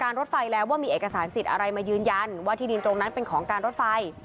รถไฟแล้วว่ามีเอกสารสิทธิ์อะไรมายืนยันว่าที่ดินตรงนั้นเป็นของการรถไฟ